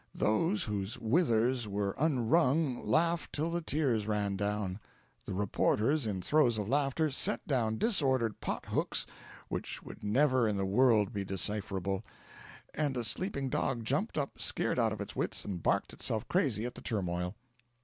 Those whose withers were unwrung laughed till the tears ran down; the reporters, in throes of laughter, set down disordered pot hooks which would never in the world be decipherable; and a sleeping dog jumped up scared out of its wits, and barked itself crazy at the turmoil.